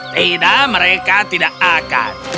tidak mereka tidak akan